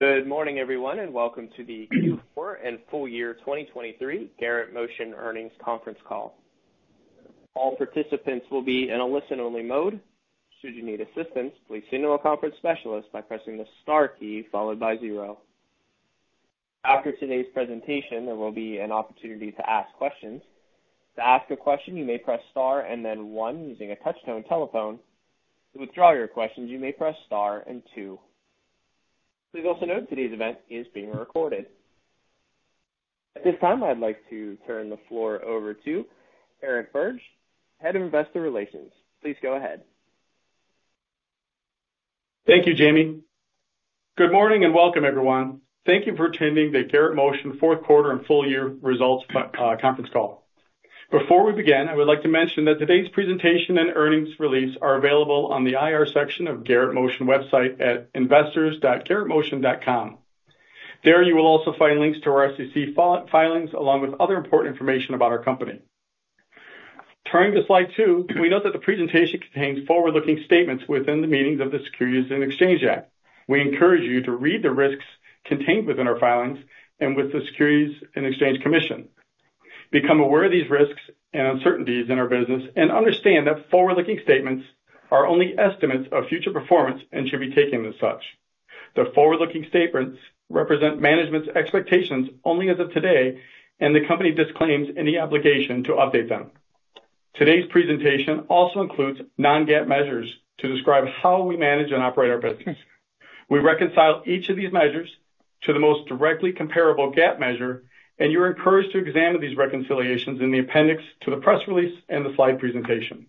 Good morning, everyone, and welcome to the Q4 and full year 2023 Garrett Motion earnings conference call. All participants will be in a listen-only mode. Should you need assistance, please signal a conference specialist by pressing the star key followed by zero. After today's presentation, there will be an opportunity to ask questions. To ask a question, you may press star and then one using a touch-tone telephone. To withdraw your questions, you may press star and two. Please also note today's event is being recorded. At this time, I'd like to turn the floor over to Eric Birge, Head of Investor Relations. Please go ahead. Thank you, Jamie. Good morning, and welcome, everyone. Thank you for attending the Garrett Motion fourth quarter and full year results conference call. Before we begin, I would like to mention that today's presentation and earnings release are available on the IR section of Garrett Motion website at investors.garrettmotion.com. There, you will also find links to our SEC filings, along with other important information about our company. Turning to slide two, we note that the presentation contains forward-looking statements within the meanings of the Securities and Exchange Act. We encourage you to read the risks contained within our filings and with the Securities and Exchange Commission. Become aware of these risks and uncertainties in our business and understand that forward-looking statements are only estimates of future performance and should be taken as such. The forward-looking statements represent management's expectations only as of today, and the company disclaims any obligation to update them. Today's presentation also includes Non-GAAP measures to describe how we manage and operate our business. We reconcile each of these measures to the most directly comparable GAAP measure, and you're encouraged to examine these reconciliations in the appendix to the press release and the slide presentation.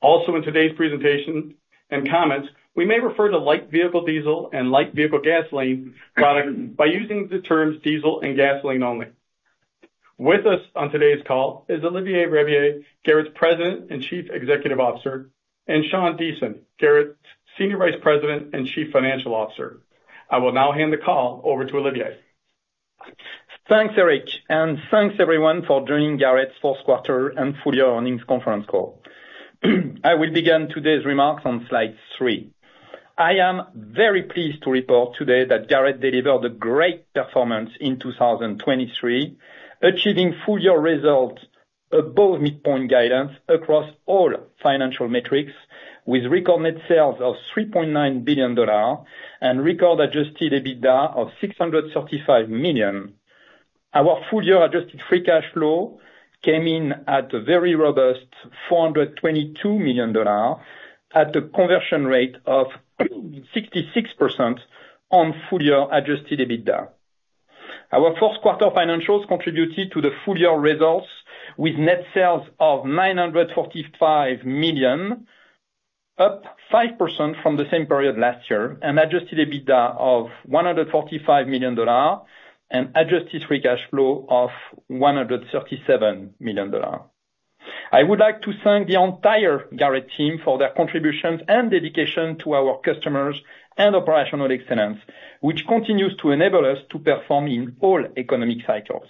Also, in today's presentation and comments, we may refer to light vehicle diesel and light vehicle gasoline product by using the terms diesel and gasoline only. With us on today's call is Olivier Rabiller, Garrett's President and Chief Executive Officer, and Sean Deason, Garrett's Senior Vice President and Chief Financial Officer. I will now hand the call over to Olivier. Thanks, Eric, and thanks, everyone, for joining Garrett's fourth quarter and full year earnings conference call. I will begin today's remarks on slide three. I am very pleased to report today that Garrett delivered a great performance in 2023, achieving full year results above midpoint guidance across all financial metrics, with record net sales of $3.9 billion and record Adjusted EBITDA of $635 million. Our full year Adjusted Free Cash Flow came in at a very robust $422 million, at a conversion rate of 66% on full year Adjusted EBITDA. Our fourth quarter financials contributed to the full year results, with net sales of $945 million, up 5% from the same period last year, an Adjusted EBITDA of $145 million, and Adjusted Free Cash Flow of $137 million. I would like to thank the entire Garrett team for their contributions and dedication to our customers and operational excellence, which continues to enable us to perform in all economic cycles.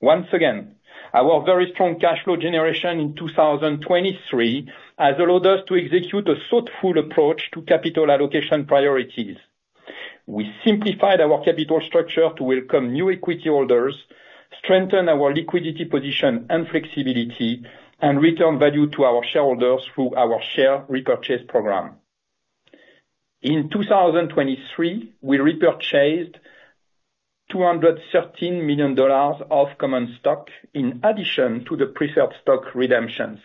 Once again, our very strong cash flow generation in 2023 has allowed us to execute a thoughtful approach to capital allocation priorities. We simplified our capital structure to welcome new equity holders, strengthen our liquidity position and flexibility, and return value to our shareholders through our share repurchase program. In 2023, we repurchased $213 million of common stock in addition to the preferred stock redemptions,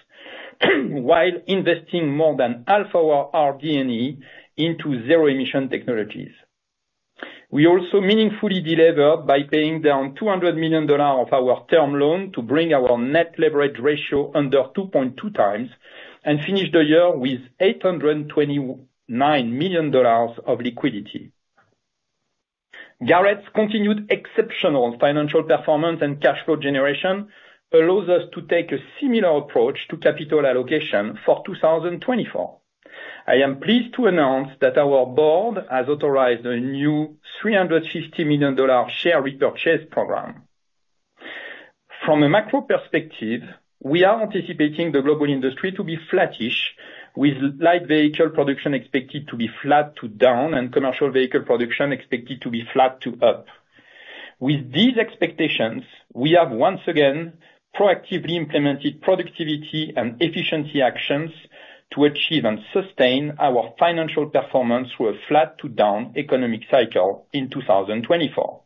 while investing more than half our R&D into zero-emission technologies. We also meaningfully delevered by paying down $200 million of our term loan to bring our net leverage ratio under 2.2x, and finished the year with $829 million of liquidity. Garrett's continued exceptional financial performance and cash flow generation allows us to take a similar approach to capital allocation for 2024. I am pleased to announce that our board has authorized a new $350 million share repurchase program. From a macro perspective, we are anticipating the global industry to be flattish, with light vehicle production expected to be flat to down, and commercial vehicle production expected to be flat to up. With these expectations, we have once again proactively implemented productivity and efficiency actions to achieve and sustain our financial performance through a flat-to-down economic cycle in 2024.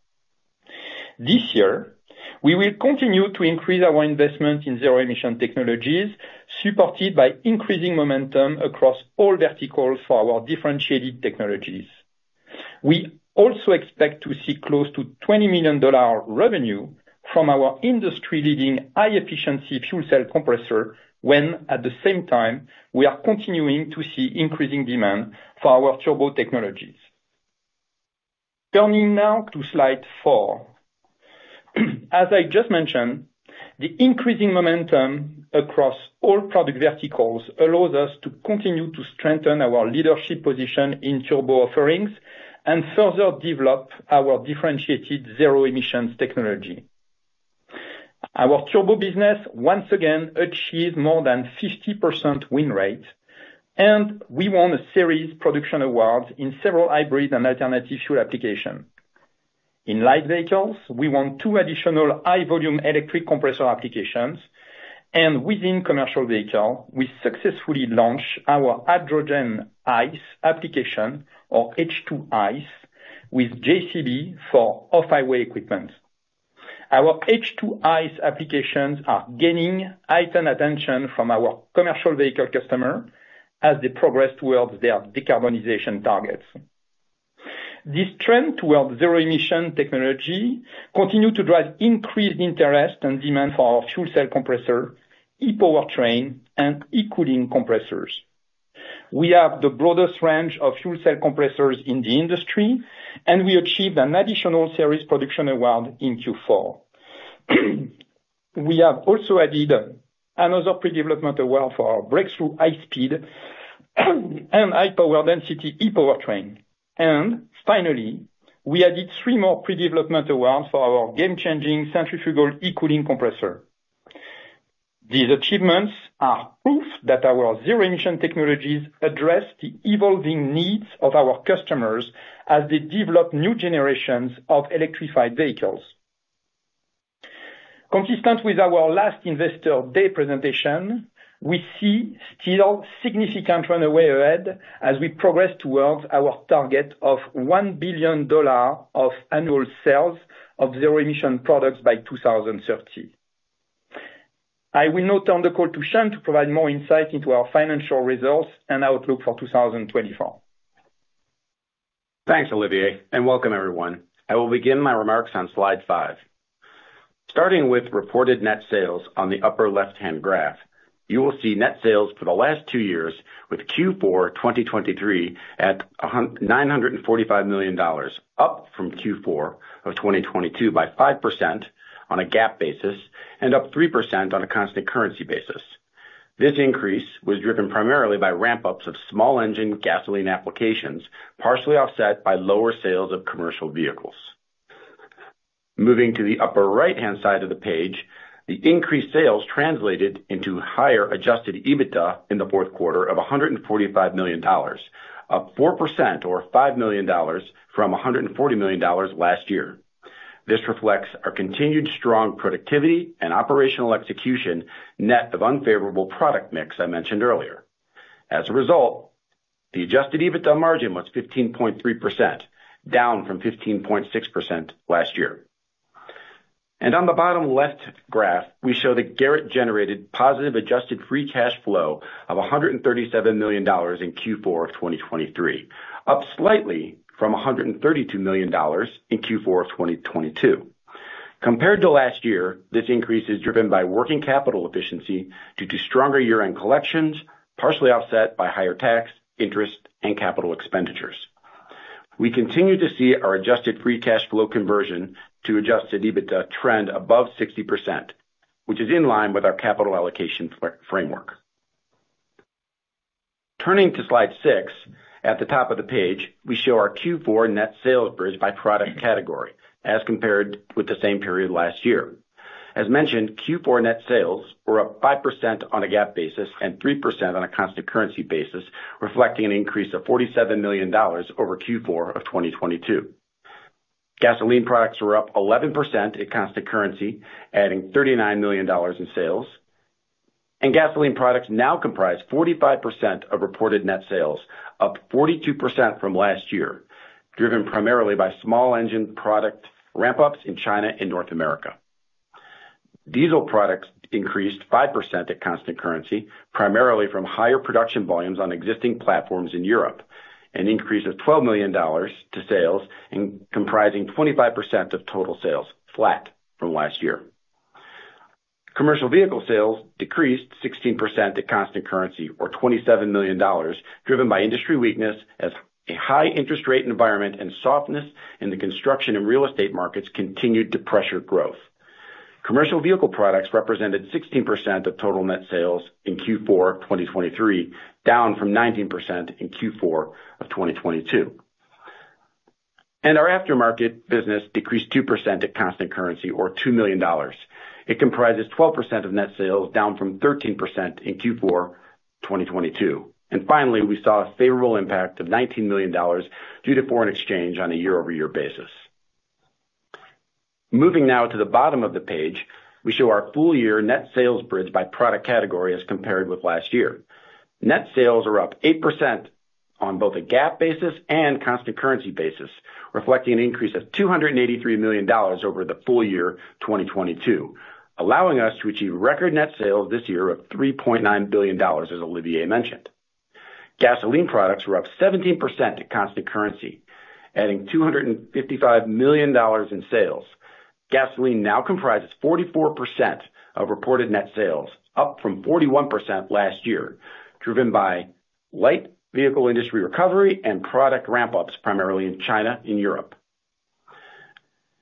This year, we will continue to increase our investment in zero-emission technologies, supported by increasing momentum across all verticals for our differentiated technologies. We also expect to see close to $20 million revenue from our industry-leading, high-efficiency fuel cell compressor, when, at the same time, we are continuing to see increasing demand for our turbo technologies. Turning now to slide four. As I just mentioned, the increasing momentum across all product verticals allows us to continue to strengthen our leadership position in turbo offerings and further develop our differentiated zero-emissions technology. Our turbo business once again achieved more than 50% win rate, and we won a series production awards in several hybrid and alternative fuel applications. In light vehicles, we won two additional high-volume electric compressor applications, and within commercial vehicle, we successfully launched our hydrogen ICE application, or H2ICE, with JCB for off-highway equipment. Our H2ICE applications are gaining heightened attention from our commercial vehicle customer as they progress towards their decarbonization targets. This trend towards zero-emission technology continued to drive increased interest and demand for our fuel cell compressor, E-powertrain, and E-Cooling compressors. We have the broadest range of fuel cell compressors in the industry, and we achieved an additional series production award in Q4. We have also added another pre-development award for our breakthrough high speed and high power density E-powertrain. And finally, we added three more pre-development awards for our game-changing centrifugal E-Cooling compressor. These achievements are proof that our zero-emission technologies address the evolving needs of our customers as they develop new generations of electrified vehicles. Consistent with our last Investor Day presentation, we see still significant runway ahead as we progress towards our target of $1 billion of annual sales of zero-emission products by 2030. I will now turn the call to Sean to provide more insight into our financial results and outlook for 2024. Thanks, Olivier, and welcome everyone. I will begin my remarks on slide five. Starting with reported net sales on the upper left-hand graph, you will see net sales for the last two years, with Q4 2023 at $945 million, up from Q4 of 2022 by 5% on a GAAP basis and up 3% on a constant currency basis. This increase was driven primarily by ramp-ups of small engine gasoline applications, partially offset by lower sales of commercial vehicles. Moving to the upper right-hand side of the page, the increased sales translated into higher Adjusted EBITDA in the fourth quarter of $145 million, up 4% or $5 million from $140 million last year. This reflects our continued strong productivity and operational execution, net of unfavorable product mix I mentioned earlier. As a result, the Adjusted EBITDA margin was 15.3%, down from 15.6% last year. On the bottom left graph, we show that Garrett generated positive Adjusted Free Cash Flow of $137 million in Q4 of 2023, up slightly from $132 million in Q4 of 2022. Compared to last year, this increase is driven by working capital efficiency due to stronger year-end collections, partially offset by higher tax, interest, and capital expenditures. We continue to see our Adjusted Free Cash Flow conversion to Adjusted EBITDA trend above 60%, which is in line with our capital allocation framework. Turning to slide six, at the top of the page, we show our Q4 net sales bridge by product category, as compared with the same period last year. As mentioned, Q4 net sales were up 5% on a GAAP basis and 3% on a constant currency basis, reflecting an increase of $47 million over Q4 of 2022. Gasoline products were up 11% at constant currency, adding $39 million in sales. Gasoline products now comprise 45% of reported net sales, up 42% from last year, driven primarily by small engine product ramp-ups in China and North America. Diesel products increased 5% at constant currency, primarily from higher production volumes on existing platforms in Europe, an increase of $12 million to sales and comprising 25% of total sales, flat from last year. Commercial vehicle sales decreased 16% at constant currency or $27 million, driven by industry weakness as a high interest rate environment and softness in the construction and real estate markets continued to pressure growth. Commercial vehicle products represented 16% of total net sales in Q4 of 2023, down from 19% in Q4 of 2022. Our aftermarket business decreased 2% at constant currency or $2 million. It comprises 12% of net sales, down from 13% in Q4 2022. Finally, we saw a favorable impact of $19 million due to foreign exchange on a year-over-year basis. Moving now to the bottom of the page, we show our full year net sales bridge by product category as compared with last year. Net sales are up 8% on both a GAAP basis and constant currency basis, reflecting an increase of $283 million over the full year 2022, allowing us to achieve record net sales this year of $3.9 billion, as Olivier mentioned. Gasoline products were up 17% at constant currency, adding $255 million in sales. Gasoline now comprises 44% of reported net sales, up from 41% last year, driven by light vehicle industry recovery and product ramp-ups, primarily in China and Europe.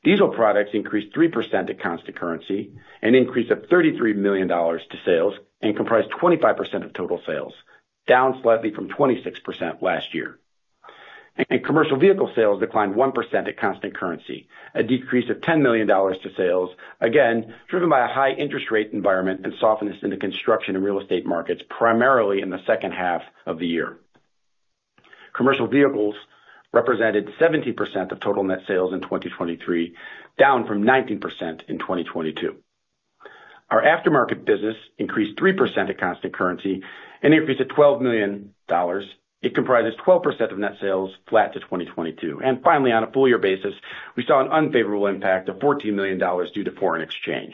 Diesel products increased 3% at constant currency, an increase of $33 million to sales and comprised 25% of total sales, down slightly from 26% last year. Commercial vehicle sales declined 1% at constant currency, a decrease of $10 million to sales, again, driven by a high interest rate environment and softness in the construction and real estate markets, primarily in the second half of the year. Commercial vehicles represented 17% of total net sales in 2023, down from 19% in 2022. Our aftermarket business increased 3% at constant currency, an increase of $12 million. It comprises 12% of net sales, flat to 2022. Finally, on a full year basis, we saw an unfavorable impact of $14 million due to foreign exchange.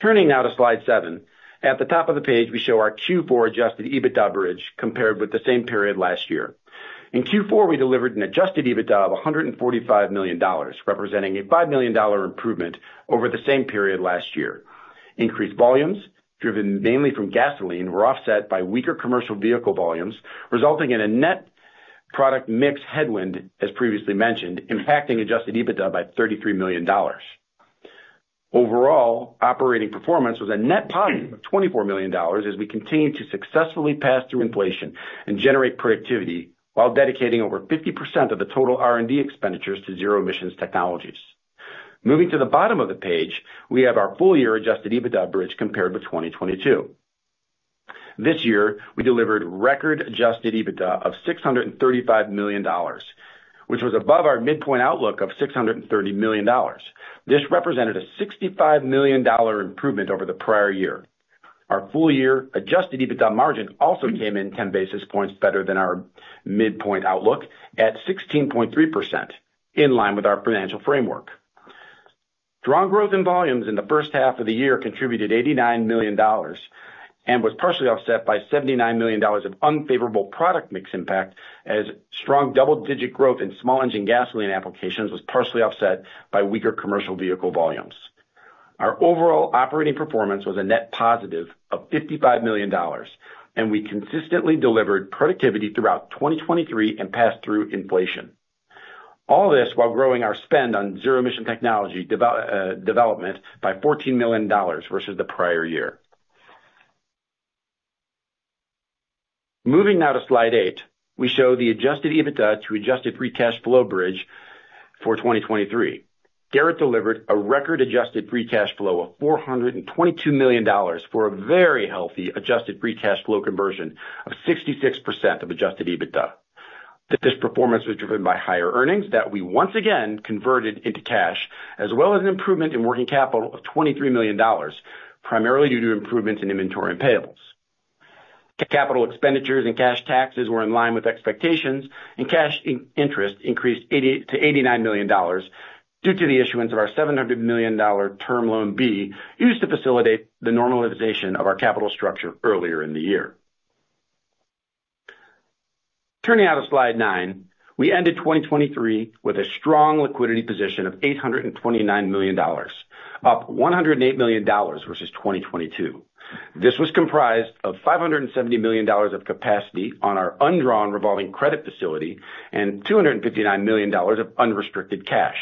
Turning now to slide seven. At the top of the page, we show our Q4 Adjusted EBITDA bridge compared with the same period last year. In Q4, we delivered an Adjusted EBITDA of $145 million, representing a $5 million improvement over the same period last year. Increased volumes, driven mainly from gasoline, were offset by weaker commercial vehicle volumes, resulting in a net product mix headwind, as previously mentioned, impacting Adjusted EBITDA by $33 million. Overall, operating performance was a net positive of $24 million as we continued to successfully pass through inflation and generate productivity while dedicating over 50% of the total R&D expenditures to zero emissions technologies. Moving to the bottom of the page, we have our full year Adjusted EBITDA bridge compared with 2022. This year, we delivered record Adjusted EBITDA of $635 million, which was above our midpoint outlook of $630 million. This represented a $65 million improvement over the prior year. Our full year Adjusted EBITDA margin also came in 10 basis points better than our midpoint outlook at 16.3%, in line with our financial framework. Strong growth in volumes in the first half of the year contributed $89 million and was partially offset by $79 million of unfavorable product mix impact, as strong double-digit growth in small engine gasoline applications was partially offset by weaker commercial vehicle volumes. Our overall operating performance was a net positive of $55 million, and we consistently delivered productivity throughout 2023 and passed through inflation. All this while growing our spend on zero-emission technology development by $14 million versus the prior year. Moving now to slide eight, we show the Adjusted EBITDA to Adjusted Free Cash Flow bridge for 2023. Garrett delivered a record Adjusted Free Cash Flow of $422 million, for a very healthy Adjusted Free Cash Flow conversion of 66% of Adjusted EBITDA. This performance was driven by higher earnings that we once again converted into cash, as well as an improvement in working capital of $23 million, primarily due to improvements in inventory and payables. Capital expenditures and cash taxes were in line with expectations, and cash interest increased $80 million-$89 million due to the issuance of our $700 million Term Loan B, used to facilitate the normalization of our capital structure earlier in the year. Turning now to slide nine, we ended 2023 with a strong liquidity position of $829 million, up $108 million versus 2022. This was comprised of $570 million of capacity on our undrawn revolving credit facility and $259 million of unrestricted cash.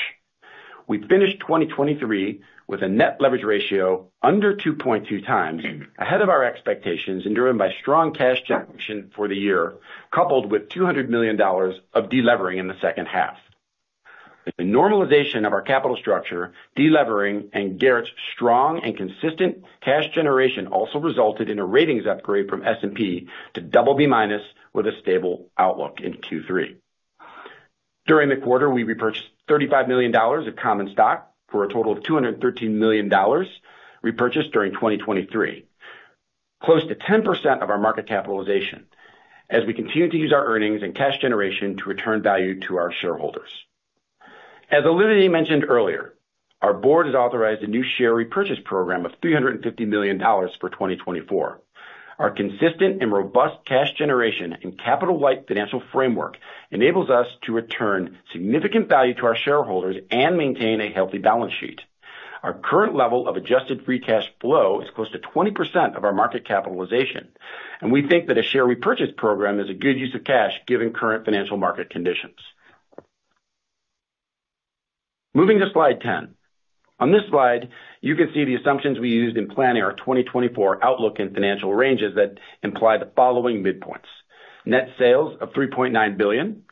We finished 2023 with a Net Leverage Ratio under 2.2x, ahead of our expectations and driven by strong cash generation for the year, coupled with $200 million of delevering in the second half. The normalization of our capital structure, delevering, and Garrett's strong and consistent cash generation also resulted in a ratings upgrade from S&P to BB- with a stable outlook in Q3. During the quarter, we repurchased $35 million of common stock for a total of $213 million repurchased during 2023. Close to 10% of our market capitalization, as we continue to use our earnings and cash generation to return value to our shareholders. As Olivier mentioned earlier, our board has authorized a new share repurchase program of $350 million for 2024. Our consistent and robust cash generation and capital-light financial framework enables us to return significant value to our shareholders and maintain a healthy balance sheet. Our current level of Adjusted Free Cash Flow is close to 20% of our market capitalization, and we think that a share repurchase program is a good use of cash, given current financial market conditions. Moving to slide 10. On this slide, you can see the assumptions we used in planning our 2024 outlook and financial ranges that imply the following midpoints: net sales of $3.9 billion,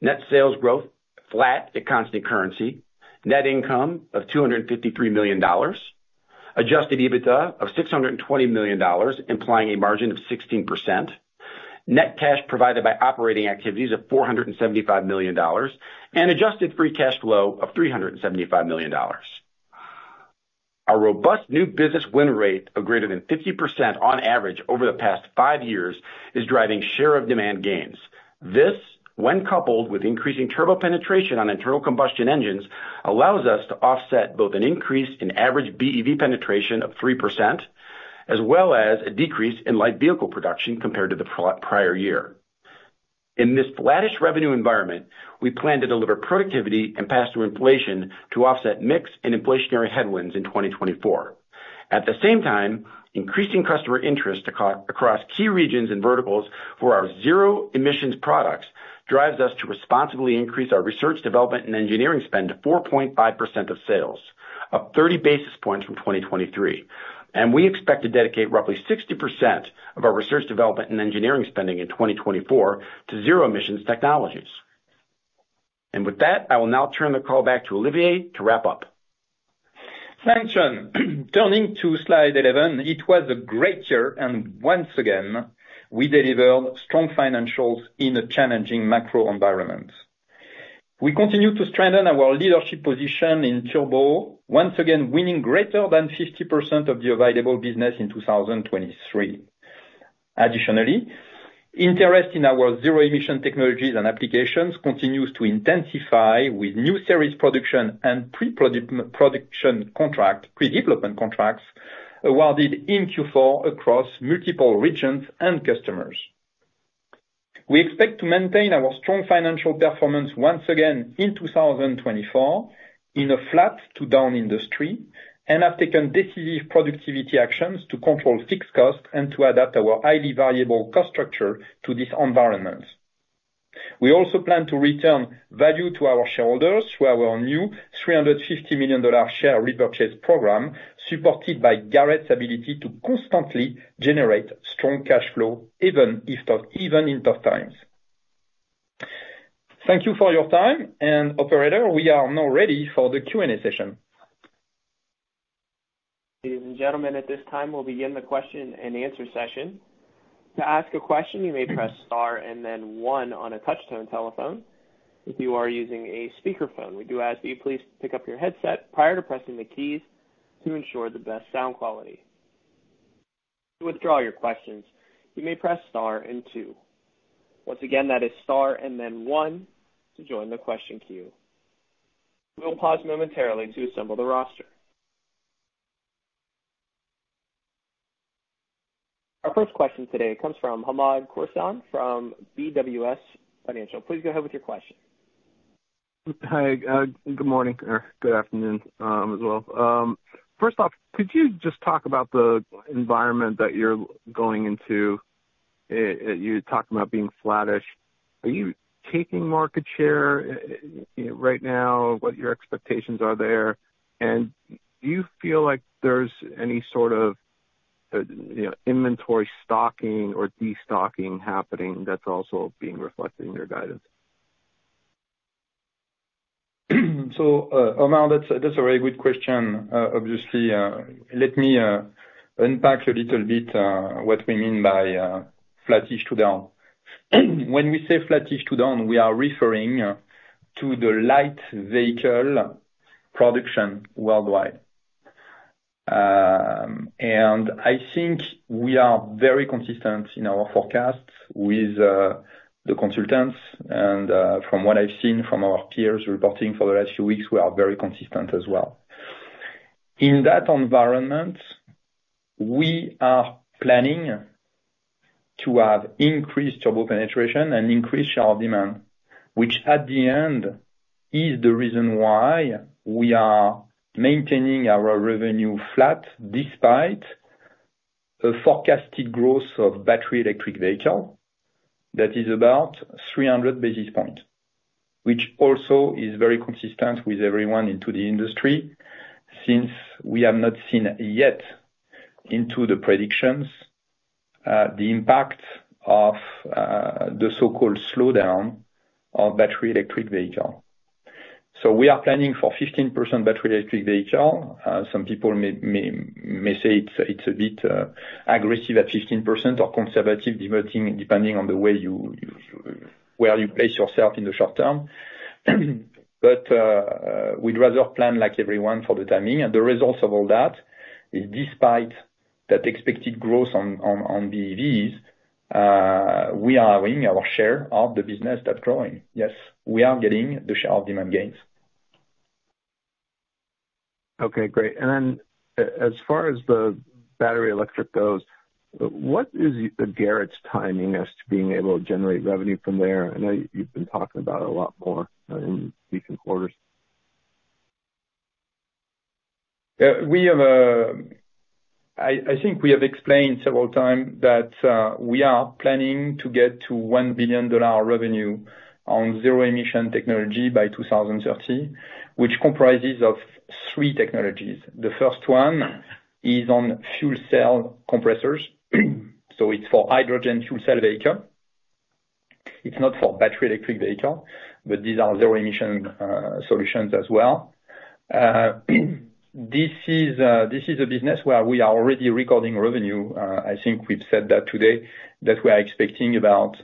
net sales growth flat at constant currency, net income of $253 million, Adjusted EBITDA of $620 million, implying a margin of 16%, net cash provided by operating activities of $475 million, and Adjusted Free Cash Flow of $375 million. Our robust new business win rate of greater than 50% on average over the past five years, is driving share of demand gains. This, when coupled with increasing turbo penetration on internal combustion engines, allows us to offset both an increase in average BEV penetration of 3%, as well as a decrease in light vehicle production compared to the prior year. In this flattish revenue environment, we plan to deliver productivity and pass through inflation to offset mix and inflationary headwinds in 2024. At the same time, increasing customer interest across key regions and verticals for our zero emissions products drives us to responsibly increase our research, development, and engineering spend to 4.5% of sales, up 30 basis points from 2023, and we expect to dedicate roughly 60% of our research, development, and engineering spending in 2024 to zero emissions technologies. And with that, I will now turn the call back to Olivier to wrap up. Thanks, Sean. Turning to Slide 11, it was a great year, and once again, we delivered strong financials in a challenging macro environment. We continue to strengthen our leadership position in turbo, once again, winning greater than 50% of the available business in 2023. Additionally, interest in our zero-emission technologies and applications continues to intensify, with new series production and pre-production contract, pre-development contracts, awarded in Q4 across multiple regions and customers. We expect to maintain our strong financial performance once again in 2024, in a flat to down industry, and have taken decisive productivity actions to control fixed costs and to adapt our highly variable cost structure to this environment. We also plan to return value to our shareholders through our new $350 million share repurchase program, supported by Garrett's ability to constantly generate strong cash flow, even if, even in tough times. Thank you for your time, and, Operator, we are now ready for the Q&A session. Ladies and gentlemen, at this time, we'll begin the question and answer session. To ask a question, you may press star and then one on a touchtone telephone. If you are using a speakerphone, we do ask that you please pick up your headset prior to pressing the keys to ensure the best sound quality. To withdraw your questions, you may press star and two. Once again, that is star and then one to join the question queue. We will pause momentarily to assemble the roster. Our first question today comes from Hamed Khorsand, from BWS Financial. Please go ahead with your question. Hi, good morning or good afternoon, as well. First off, could you just talk about the environment that you're going into? You talked about being flattish. Are you taking market share, right now? What your expectations are there, and do you feel like there's any sort of, you know, inventory stocking or destocking happening that's also being reflected in your guidance? So, Hamed, that's a very good question. Obviously, let me unpack a little bit what we mean by flattish to down. When we say flattish to down, we are referring to the light vehicle production worldwide. I think we are very consistent in our forecasts with the consultants, and from what I've seen from our peers reporting for the last few weeks, we are very consistent as well. In that environment, we are planning to have increased turbo penetration and increased share demand, which at the end is the reason why we are maintaining our revenue flat, despite a forecasted growth of battery electric vehicle that is about 300 basis points. Which also is very consistent with everyone in the industry, since we have not seen yet in the predictions the impact of the so-called slowdown of battery electric vehicle. So we are planning for 15% battery electric vehicle. Some people may say it's a bit aggressive at 15% or conservative, depending on the way you where you place yourself in the short term. But we'd rather plan like everyone for the timing. And the results of all that is despite that expected growth on BEVs, we are winning our share of the business that's growing. Yes, we are getting the share of demand gains. Okay, great. And then as far as the battery electric goes, what is Garrett's timing as to being able to generate revenue from there? I know you've been talking about it a lot more in recent quarters. We have. I think we have explained several times that we are planning to get to $1 billion revenue on zero emission technology by 2030, which comprises of three technologies. The first one is on fuel cell compressors, so it's for hydrogen fuel cell vehicle. It's not for battery electric vehicle, but these are zero emission solutions as well. This is a business where we are already recording revenue. I think we've said that today, that we are expecting about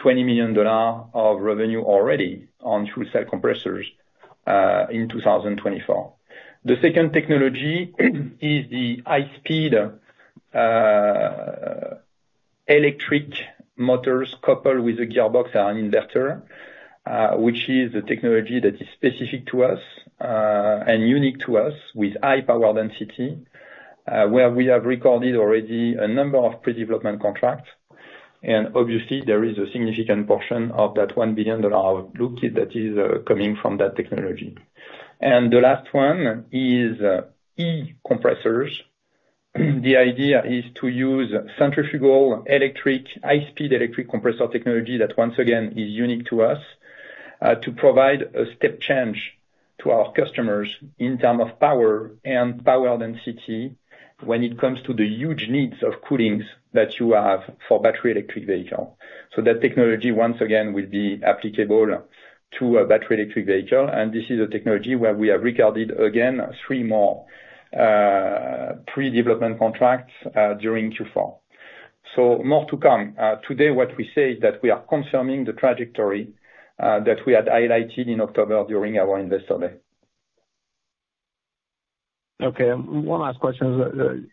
$20 million of revenue already on fuel cell compressors in 2024. The second technology is the high speed electric motors, coupled with a gearbox and an inverter, which is a technology that is specific to us and unique to us, with high power density, where we have recorded already a number of pre-development contracts. And obviously, there is a significant portion of that $1 billion toolkit that is coming from that technology. And the last one is e-compressors.... The idea is to use centrifugal, electric, high speed electric compressor technology that, once again, is unique to us, to provide a step change to our customers in terms of power and power density when it comes to the huge needs of cooling that you have for battery electric vehicle. So that technology, once again, will be applicable to a battery electric vehicle, and this is a technology where we have recorded, again, three more pre-development contracts during Q4. So more to come. Today, what we say is that we are confirming the trajectory that we had highlighted in October during our investor day. Okay, one last question.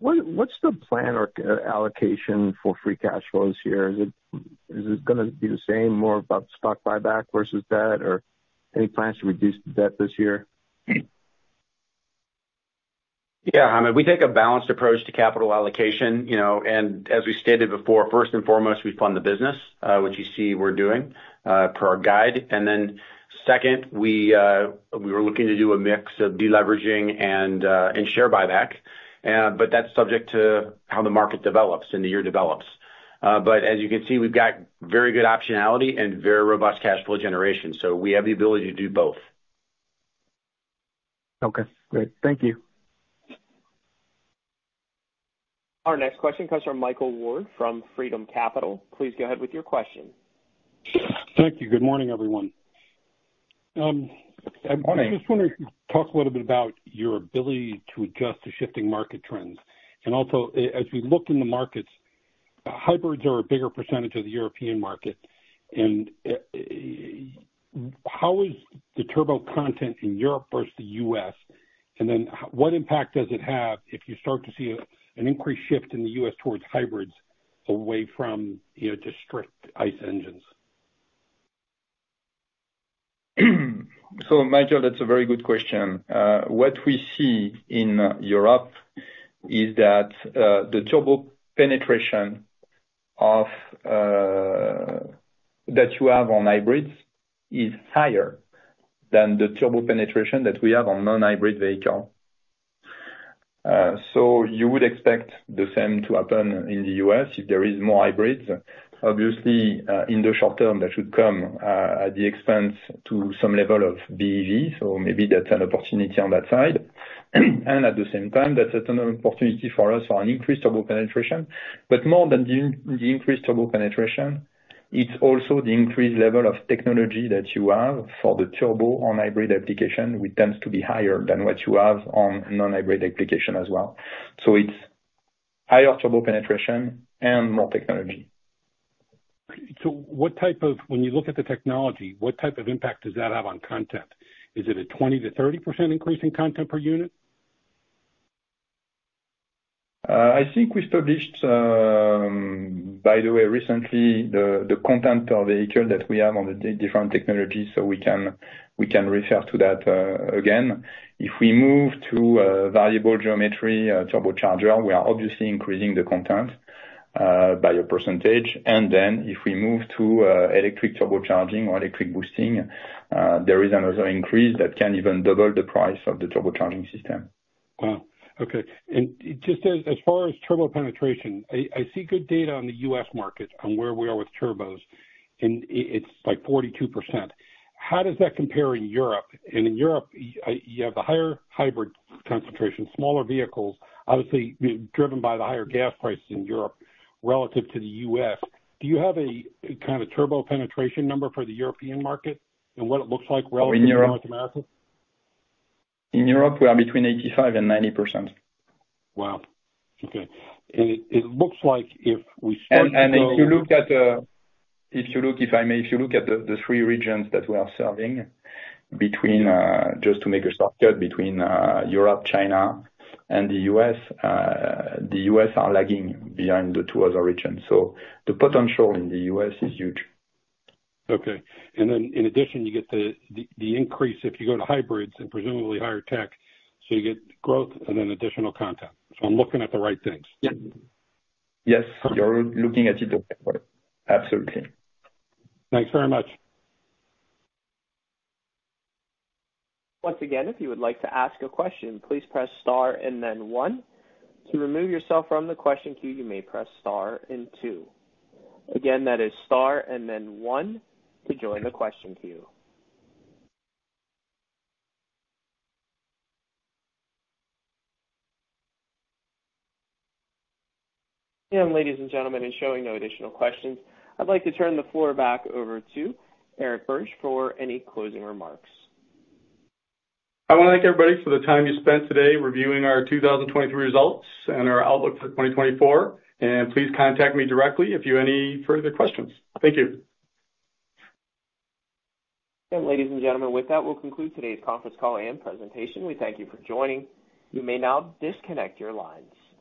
What's the plan or allocation for free cash flows this year? Is it gonna be the same, more about stock buyback versus debt, or any plans to reduce the debt this year? Yeah, Hamed, we take a balanced approach to capital allocation, you know, and as we stated before, first and foremost, we fund the business, which you see we're doing, per our guide. And then second, we were looking to do a mix of deleveraging and share buyback, but that's subject to how the market develops and the year develops. But as you can see, we've got very good optionality and very robust cash flow generation, so we have the ability to do both. Okay, great. Thank you. Our next question comes from Michael Ward from Freedom Capital. Please go ahead with your question. Thank you. Good morning, everyone. Morning. I just wonder if you could talk a little bit about your ability to adjust to shifting market trends. And also, as we look in the markets, hybrids are a bigger percentage of the European market, and, how is the turbo content in Europe versus the U.S.? And then what impact does it have if you start to see an increased shift in the U.S. towards hybrids away from, you know, just strict ICE engines? So, Michael, that's a very good question. What we see in Europe is that the turbo penetration of that you have on hybrids is higher than the turbo penetration that we have on non-hybrid vehicle. So you would expect the same to happen in the U.S. if there is more hybrids. Obviously, in the short term, that should come at the expense to some level of BEV, so maybe that's an opportunity on that side. And at the same time, that's an opportunity for us for an increased turbo penetration. But more than the increased turbo penetration, it's also the increased level of technology that you have for the turbo on hybrid application, which tends to be higher than what you have on non-hybrid application as well. So it's higher turbo penetration and more technology. So what type of... When you look at the technology, what type of impact does that have on content? Is it a 20%-30% increase in content per unit? I think we published, by the way, recently, the content per vehicle that we have on the different technologies, so we can refer to that again. If we move to a variable geometry turbocharger, we are obviously increasing the content by a percentage. And then if we move to electric turbocharging or electric boosting, there is another increase that can even double the price of the turbocharging system. Wow, okay. And just as far as turbo penetration, I see good data on the U.S. market on where we are with turbos, and it's like 42%. How does that compare in Europe? And in Europe, you have a higher hybrid concentration, smaller vehicles, obviously being driven by the higher gas prices in Europe relative to the U.S. Do you have a kind of turbo penetration number for the European market and what it looks like relative- In Europe- to mass market? In Europe, we are between 85% and 90%. Wow, okay. It looks like if we start to go- If I may, if you look at the three regions that we are serving, between just to make it softer, between Europe, China, and the U.S., the U.S. are lagging behind the two other regions, so the potential in the U.S. is huge. Okay. And then in addition, you get the increase if you go to hybrids and presumably higher tech, so you get growth and then additional content. So I'm looking at the right things? Yeah. Yes, you're looking at it the right way. Absolutely. Thanks very much. Once again, if you would like to ask a question, please press star and then one. To remove yourself from the question queue, you may press star and two. Again, that is star and then one to join the question queue. Ladies and gentlemen, in showing no additional questions, I'd like to turn the floor back over to Eric Birge for any closing remarks. I want to thank everybody for the time you spent today reviewing our 2023 results and our outlook for 2024, and please contact me directly if you have any further questions. Thank you. Ladies and gentlemen, with that, we'll conclude today's conference call and presentation. We thank you for joining. You may now disconnect your lines.